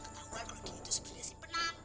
biarkan ketahuan lu di situ sebenernya simpenan